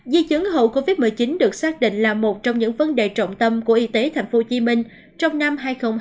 di chứng hậu covid một mươi chín được xác định là một trong những vấn đề trọng tâm của y tế tp hcm trong năm hai nghìn hai mươi